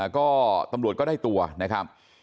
ก็ตำรวจก็ได้ตัวนะครับ